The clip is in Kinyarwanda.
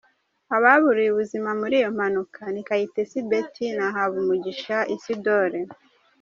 Ababuriye ubuzima muri iyo mpanuka ni Kayitesi Betty na Habumugisha Isidore.